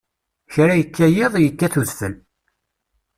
Kra yekka yiḍ, yekkat udfel.